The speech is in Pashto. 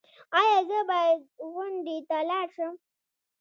ایا زه باید غونډې ته لاړ شم؟